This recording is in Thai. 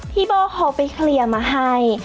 พี่โบขอไปเคลียร์มาให้